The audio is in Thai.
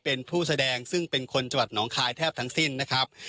เป็นผู้แสดงซึ่งเป็นคนจังหวัดหนองคายแทบทั้งสิ้นนะครับ